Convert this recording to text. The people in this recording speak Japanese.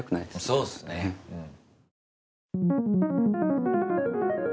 そうっすねうん。